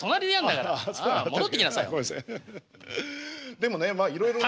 でもねまあいろいろね。